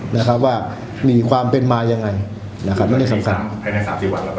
นะครับว่ามีความเป็นมายังไงนะครับแล้วในสำคัญภายในสามสิบวันแล้ว